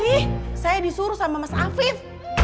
nih saya disuruh sama mas afif